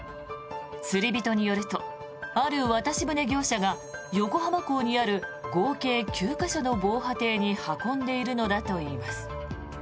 釣り人によるとある渡し船業者が横浜港にある合計９か所の防波堤に運んでいるのだといいます。